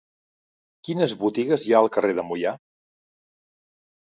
Quines botigues hi ha al carrer de Moià?